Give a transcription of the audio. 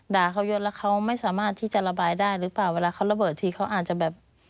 ด่าเขาเยอะแล้วเขาไม่สามารถที่จะระบายได้หรือเปล่าเวลาเขาระเบิดทีเขาอาจจะแบบ